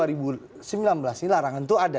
ini larangan itu ada